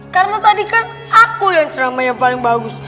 karena tadi kan aku yang seramai yang paling bagus